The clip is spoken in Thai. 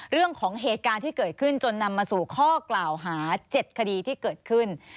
เรื่องของเหตุการณ์ที่เกิดขึ้นจนนำมาสู่ข้อกล่าวหา๗คดีที่เกิดขึ้น